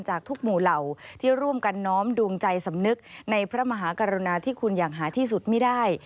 จากทุกหมู่เหล่าที่ร่วมกันน้อมดวงใจสำนึกในพระมหากรุณาที่คุณอย่างหาที่สุดไม่ได้